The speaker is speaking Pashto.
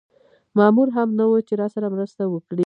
مامور هم نه و چې راسره مرسته وکړي.